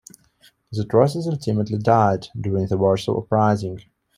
The Trosses ultimately died during the Warsaw Uprising.